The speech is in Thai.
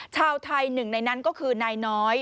ชาวไทยหนึ่งในนั้นก็คือนายน้อย